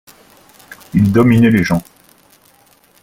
Il dominait les gens.